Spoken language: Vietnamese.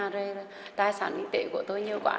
rồi tài sản kinh tế của tôi nhiều quản